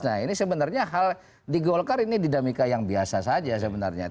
nah ini sebenarnya hal di golkar ini dinamika yang biasa saja sebenarnya